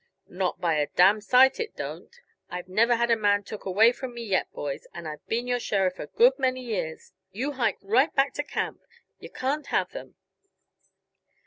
"Not by a damn sight it don't! I've never had a man took away from me yet, boys, and I've been your sheriff a good many years. You hike right back to camp; yuh can't have 'em."